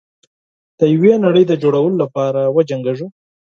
د یوې نړۍ د جوړولو لپاره وجنګیږو.